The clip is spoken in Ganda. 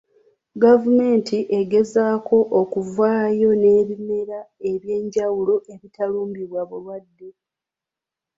Gavumenti egezaako okuvaayo n'ebimera eby'enjawulo ebitalumbibwa bulwadde.